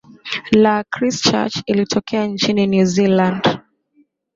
la chrischurch iliyotokea nchini new zealand